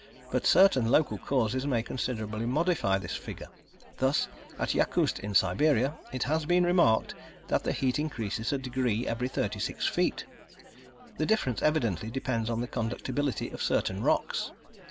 But certain local causes may considerably modify this figure. Thus at Yakoust in Siberia, it has been remarked that the heat increases a degree every thirty six feet. The difference evidently depends on the conductibility of certain rocks.